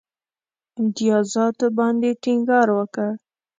امتیازاتو باندي ټینګار وکړ.